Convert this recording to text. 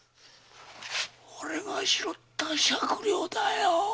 俺が拾った百両だよ！